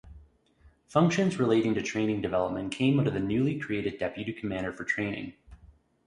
Functions relating to training development came under the newly created Deputy Commander for Training.